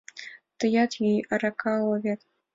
Тыят йӱ — арака уло вет.